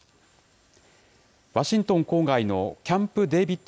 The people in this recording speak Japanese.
ワシントン郊外のキャンプ・デービッド